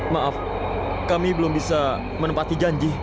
maaf kami belum bisa menempati janji